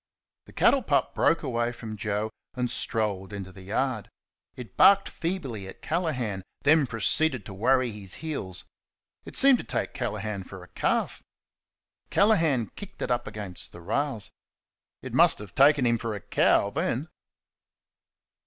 The cattle pup broke away from Joe and strolled into the yard. It barked feebly at Callaghan, then proceeded to worry his heels. It seemed to take Callaghan for a calf. Callaghan kicked it up against the rails. It must have taken him for a cow then.